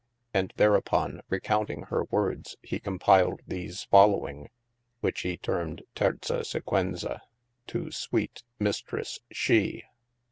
And thereuppon recompting hir woordes, he com piled these following, whiche he termed Terza sequenza, too sweete Mistresse SHE.